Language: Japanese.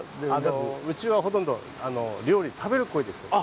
いやうちはほとんど料理食べるコイです。